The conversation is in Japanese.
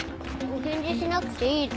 お返事しなくていいの？